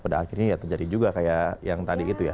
pada akhirnya ya terjadi juga kayak yang tadi itu ya